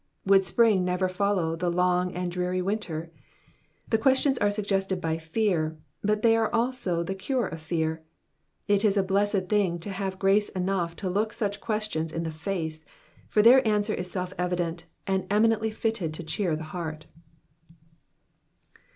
Would spiing never follow the long and dreary winter? The questions are suggested by fear, but they are also the cure of fear. It is a blessed thing to have grace enough to look such questions in the face, for their answer is self evident and eminently fitted to cheer the heart.